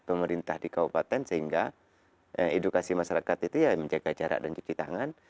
pemerintah di kabupaten sehingga edukasi masyarakat itu ya menjaga jarak dan cuci tangan